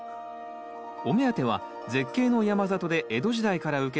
お目当ては絶景の山里で江戸時代から受け継がれる田村かぶ。